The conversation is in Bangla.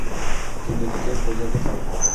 কিন্তু তোকে বোঝাতে পারব।